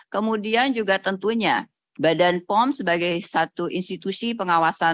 kemudian juga tentunya badan pom sebagai satu institusi pengawasan